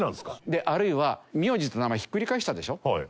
であるいは名字と名前ひっくり返したでしょ。